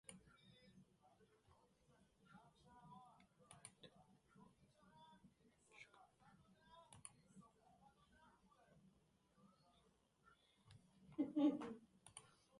The village school is Hutton Cranswick Community Primary School.